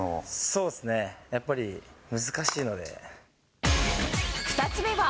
そうっすね、やっぱり難しい２つ目は。